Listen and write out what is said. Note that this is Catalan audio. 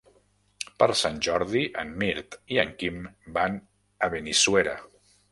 Per Sant Jordi en Mirt i en Quim van a Benissuera.